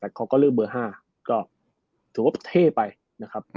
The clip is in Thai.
แต่เขาก็เริ่มเบอร์๕ก็ถือว่าเท่ไปนะครับ